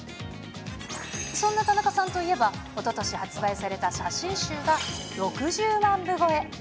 そんな田中さんといえば、おととし発売された写真集が６０万部超え。